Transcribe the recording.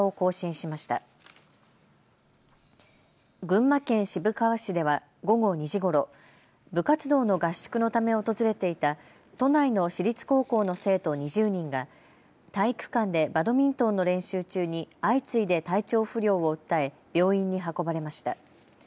群馬県渋川市では午後２時ごろ、部活動の合宿のため訪れていた都内の私立高校の生徒２０人が体育館でバドミントンの練習中に相次いで体調不良を訴え病院に運ばれました。